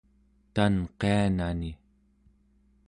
tanqianani